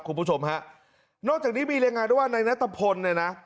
คุณผู้ชมฮะนอกจากนี้มีรายงานด้วยว่าในนัทพลเนี่ยนะ